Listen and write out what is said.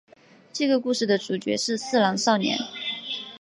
这个故事的主角是四郎少年。